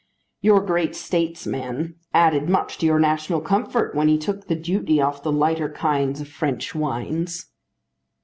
"Your great statesman added much to your national comfort when he took the duty off the lighter kinds of French wines."